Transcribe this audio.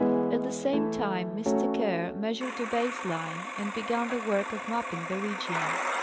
At the same time Mr. Kerr measured a base line and began the work of mapping the region.